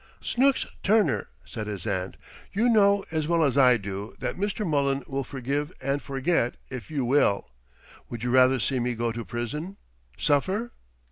"Snooks Turner!" said his aunt. "You know as well as I do that Mr. Mullen will forgive and forget, if you will. Would you rather see me go to prison suffer?"